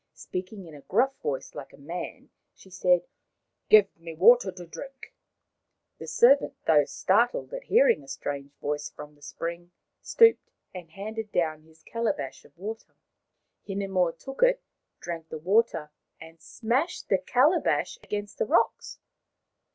Speaking in a gruff voice like a man, she said :" Give me water to drink." Hinemoa's Swim 243 The servant, though startled at hearing a strange voice from the spring, stooped and handed down his calabash of water. Hinemoa took it, drank the water, and smashed the calabash against the rocks.